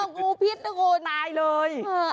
งูพิษนะงูตายเลย